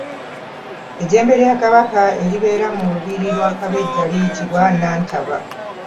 Ejjembe lya Kabaka eribeera mu Lubiri lwa Kabejja liyitibwa Nantaba.